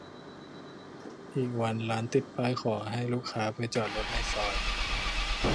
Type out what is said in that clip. อีกวันร้านติดป้ายขอให้ลูกค้าไปจอดในซอย